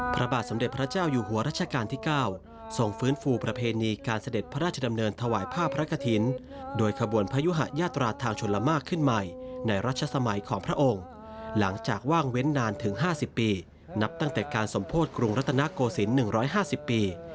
พระบาทสมเด็จพระเจ้าอยู่หัวรัชกาลที่๙ทรงฟื้นฟูประเพณีการเสด็จพระราชดำเนินถวายผ้าพระกฐินโดยขบวนพยุหะยาตราทางชนละมากขึ้นใหม่ในรัชสมัยของพระองค์หลังจากว่างเว้นนานถึง๕๐ปีนับตั้งแต่การสมโพธิกรุงรัตนโกศิลป์๑๕๐ปี